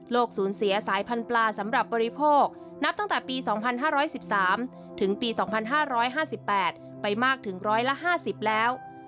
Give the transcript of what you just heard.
สูญเสียสายพันธุปลาสำหรับบริโคนับตั้งแต่ปี๒๕๑๓ถึงปี๒๕๕๘ไปมากถึง๑๕๐แล้ว